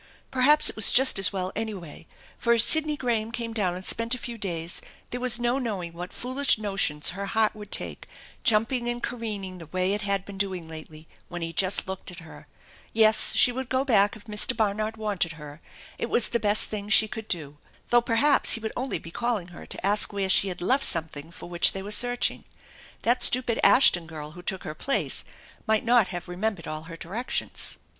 Perhaps it was just as well, any way, for if Sidney Graham came down and spent a few days there was no knowing what foolish notions her heart would take, jumping and careening the way it had been doing lately when he just looked at her. Yes, she would go back if Mr. Barnard wanted her. It was the best thing she could do. Though perhaps he would only be calling her to ask where she had left something for which they were searching. That stupid Ashton girl who took her place might not have remembered all her directions.